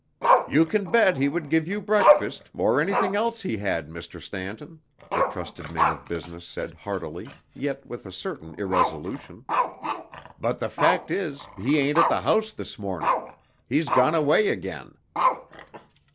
"You can bet he would give you breakfast, or anything else he had, Mr. Stanton," the trusted man of business said heartily, yet with a certain irresolution. "But the fact is, he ain't at the house this morning. He's gone away again."